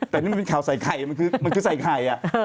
แต่นี่มันเป็นข่าวใส่ไข่มันคือมันคือใส่ไข่